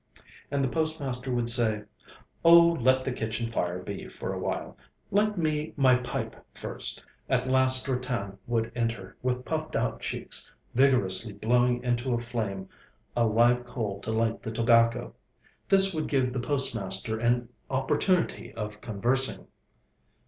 And the postmaster would say: 'Oh, let the kitchen fire be for awhile; light me my pipe first.' At last Ratan would enter, with puffed out cheeks, vigorously blowing into a flame a live coal to light the tobacco. This would give the postmaster an opportunity of conversing.